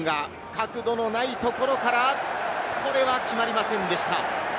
角度のないところから、これは決まりませんでした。